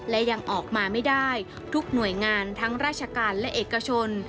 และยังออกมาไม่ได้ทุกหน่วยงานทั้งราชการและเอกชน